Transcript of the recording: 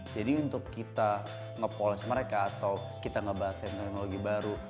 jadi untuk kita nge polish mereka atau kita ngebahas teknologi baru